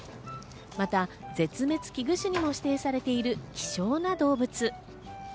また絶滅危惧種にも指定されている、希少な動物。